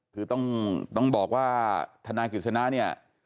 คือต้องบอกว่าธนายกิจสนะเนี่ย